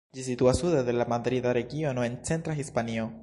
Ĝi situas sude de la Madrida Regiono en centra Hispanio.